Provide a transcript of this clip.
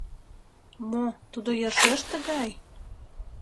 — Мо, тудо йӧршеш тыгай?